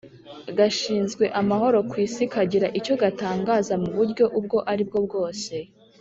gashinzwe amahoro ku isi kagira icyo gatangaza mu buryo ubwo ari bwo bwose